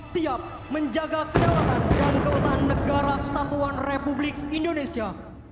siap menjaga kedaulatan dan keutuhan negara kesatuan republik indonesia